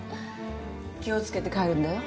気を付けて帰るんだよ。